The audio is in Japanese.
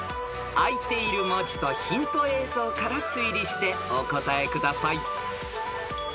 ［開いている文字とヒント映像から推理してお答えください］